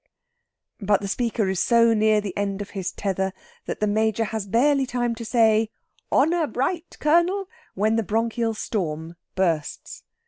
But the speaker is so near the end of his tether that the Major has barely time to say, "Honour bright, Colonel," when the bronchial storm bursts.